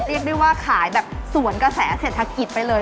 ได้บีบว่าขายแบบสวนกระแสเศรษฐกิจไปเลย